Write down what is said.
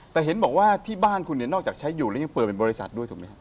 แต่เห็นแล้วที่บ้านคุณนอกจากใช้อยู่ยังเปิดเป็นบริษัทด้วยถูกมั้ย